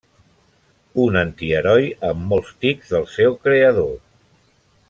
Un antiheroi amb molts tics del seu creador.